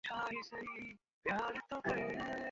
দাদী তোমার রক্ত চুষে চুষে খোসার মতো করে দিছে।